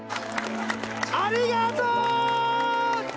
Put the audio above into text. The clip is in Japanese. ありがとう！